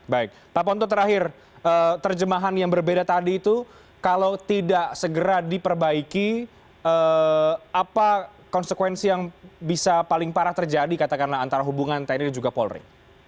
baik pak ponto terakhir terjemahan yang berbeda tadi itu kalau tidak segera diperbaiki apa konsekuensi yang bisa paling parah terjadi katakanlah antara hubungan tni dan juga polri